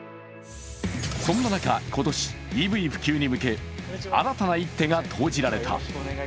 そんな中、今年ＥＶ普及に向け新たな一手が投じられた。